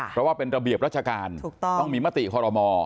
เพราะว่าเป็นระเบียบราชการถูกต้องมีมติคอรมอ